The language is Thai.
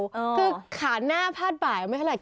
คือขาหน้าพาดบ่ายไม่เท่าไหร่